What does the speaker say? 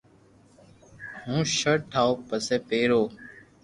ھون ݾرٽ ٺاو پسي پيرو